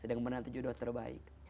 sedang menanti jodoh terbaik